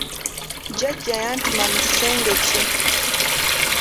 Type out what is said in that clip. Jjajja yantuma mu kisenge kye.